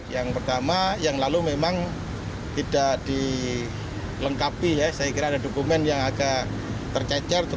yang pertama yang lalu memang tidak dilengkapi ya saya kira ada dokumen yang agak tercecer